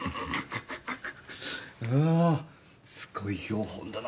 うわーすごい標本だな。